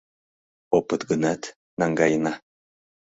Опыт гынат, наҥгаена